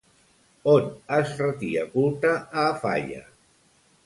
On es retia culte a Afaia?